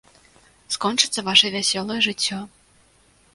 Скончыцца ваша вясёлае жыццё.